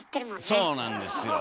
そうなんですよ。